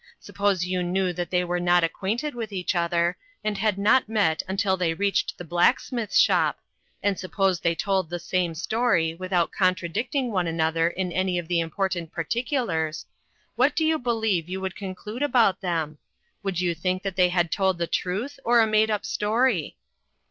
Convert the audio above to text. Suppose you knew that they were not acquainted with each other, and had not met until they reached the blacksmith's shop, and suppose they told the same story, without contradict ing one another in any of the important par ticulars, what do you believe you would con clude about them ? Would you think that they had told the truth or a made up story?"